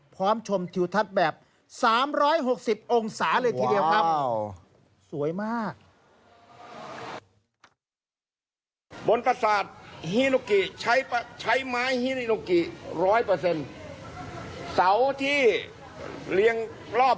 ชมทิวทัศน์แบบ๓๖๐องศาเลยทีเดียวครับ